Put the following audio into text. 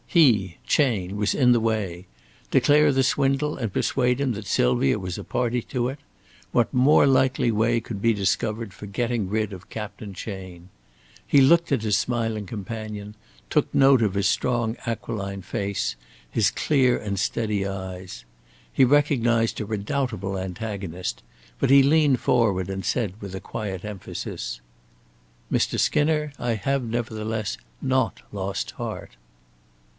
He, Chayne, was in the way. Declare the swindle and persuade him that Sylvia was a party to it what more likely way could be discovered for getting rid of Captain Chayne? He looked at his smiling companion, took note of his strong aquiline face, his clear and steady eyes. He recognized a redoubtable antagonist, but he leaned forward and said with a quiet emphasis: "Mr. Skinner, I have, nevertheless, not lost heart."